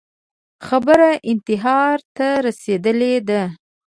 خبره انتحار ته رسېدلې ده